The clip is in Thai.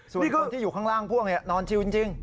ส่วนที่คนที่อยู่ข้างล่างพ่วงนอนชิวจริง